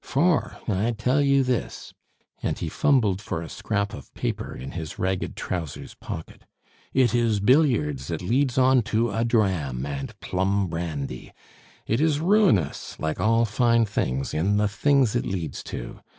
For, I tell you this," and he fumbled for a scrap of paper in his ragged trousers pocket, "it is billiards that leads on to a dram and plum brandy. It is ruinous, like all fine things, in the things it leads to.